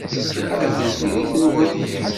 Atenti deg tenwalt.